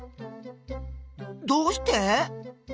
どうして？